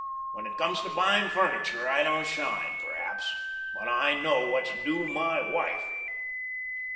When it comes to buying furniture, I don't shine, perhaps, but I know what's due my wife."